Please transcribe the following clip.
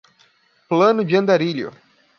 Plano de andarilho